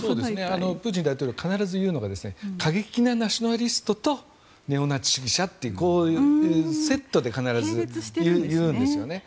プーチン大統領必ず言うのが過激なナショナリストとネオナチ主義者とこうセットで言うんですね。